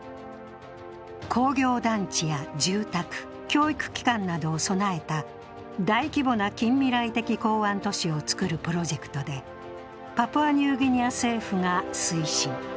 工業団地や住宅、教育機関などを備えた大規模な近未来的港湾都市を造るプロジェクトで、パプアニューギニア政府が推進。